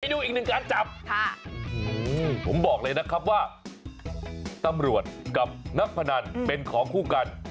ดูอีกหนึ่งการจับผมบอกเลยนะครับว่าตำรวจกับนักพนันเป็นของคู่กัน